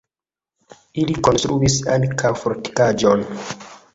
Ili konstruis ankaŭ fortikaĵon.